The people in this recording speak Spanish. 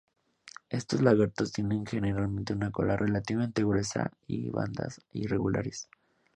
Estos lagartos tienen generalmente una cola relativamente gruesa, y bandas irregulares.